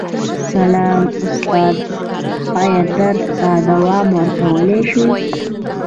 سلام استاده ایا درس ته دوام ورکولی شو